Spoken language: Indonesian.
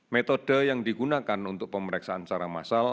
metode yang digunakan untuk pemeriksaan secara massal